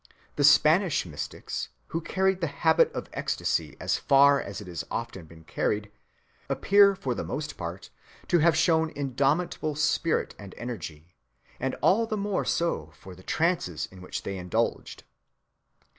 The great Spanish mystics, who carried the habit of ecstasy as far as it has often been carried, appear for the most part to have shown indomitable spirit and energy, and all the more so for the trances in which they indulged.